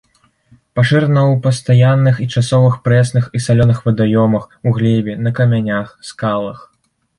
Пашырана ў пастаянных і часовых прэсных і салёных вадаёмах, у глебе, на камянях, скалах.